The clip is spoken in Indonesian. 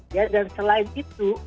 ya dan selain itu